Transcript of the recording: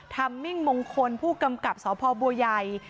ทัมมิงมงคลผู้กำกับสภอบัวยัย